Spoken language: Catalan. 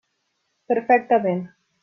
Perfectament.